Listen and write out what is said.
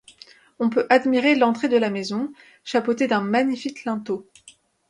On peut admirer l'entrée de la maison, chapeautée d'un magnifique linteau.